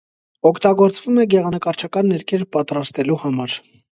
Օգտագործվում է գեղանկարչական ներկեր պատրաստելու համար։